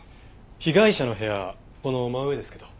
被害者の部屋この真上ですけど。